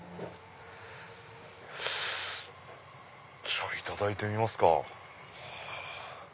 じゃあいただいてみますか。